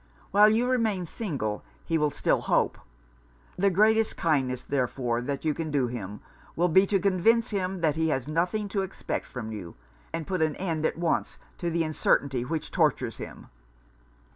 While you remain single, he will still hope. The greatest kindness, therefore, that you can do him, will be to convince him that he has nothing to expect from you; and put an end at once to the uncertainty which tortures him.'